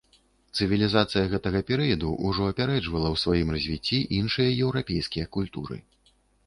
Цывілізацыя гэтага перыяду ўжо апярэджвала ў сваім развіцці іншыя еўрапейскія культуры.